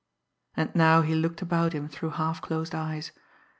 And now he looked about him through half closed eyes.